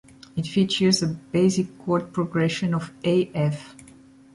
It features a basic chord progression of A-F.